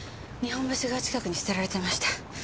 日本橋川近くに捨てられてました。